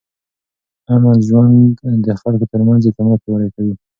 امن ژوند د خلکو ترمنځ اعتماد پیاوړی کوي.